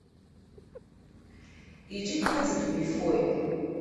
Иҿы иҭаӡыҭуа ифоит.